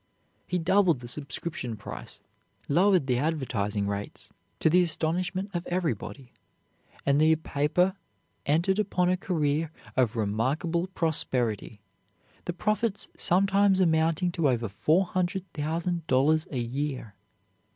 He doubled the subscription price, lowered the advertising rates, to the astonishment of everybody, and the paper entered upon a career of remarkable prosperity, the profits sometimes amounting to over four hundred thousand dollars a year.